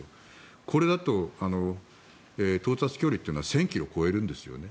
これだと到達距離は１０００ｋｍを超えるんですね。